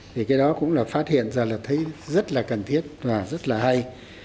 thì cái đó cũng là phát hiện ra là thấy rất là cần thiết và rất là hay